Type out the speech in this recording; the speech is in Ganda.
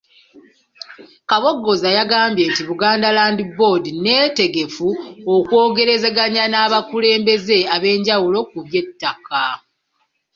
Kabogoza yagambye nti Buganda Land Board nneetegefu okwogerezeganya n’abakulembeze ab'enjawulo ku by'ettaka.